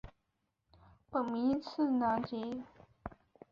本名次郎吉。